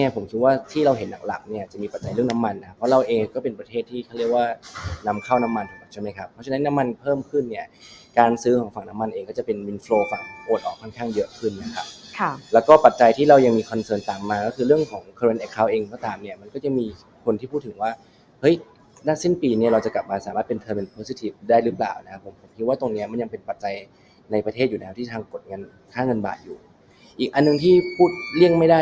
ฝั่งโอดออกค่อนข้างเยอะขึ้นนะครับค่ะแล้วก็ปัจจัยที่เรายังมีตามมาก็คือเรื่องของเองเพราะตามเนี้ยมันก็จะมีคนที่พูดถึงว่าเฮ้ยนักสิ้นปีเนี้ยเราจะกลับมาสามารถเป็นได้รึเปล่านะครับผมคิดว่าตรงเนี้ยมันยังเป็นปัจจัยในประเทศอยู่นะครับที่ทางกฎเงินท่าเงินบาทอยู่อีกอันหนึ่งที่พูดเลี่ยง